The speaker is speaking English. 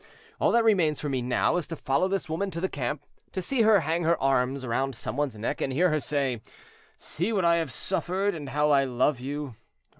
All that remains for me now is to follow this woman to the camp, to see her hang her arms round some one's neck and hear her say, 'See what I have suffered, and how I love you.'